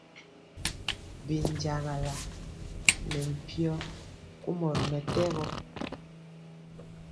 Binjagala ne mpyo kumɔ ri mɛtɛgɔ.